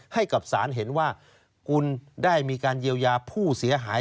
ให้กับศาลเห็นว่าคุณได้มีการเยียวยาผู้เสียหาย